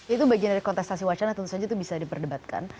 itu bagian dari kontestasi wacana tentu saja itu bisa diperdebatkan